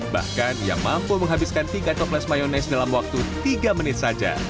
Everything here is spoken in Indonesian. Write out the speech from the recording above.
bahkan ia mampu menghabiskan tiga toples mayonese dalam waktu tiga menit saja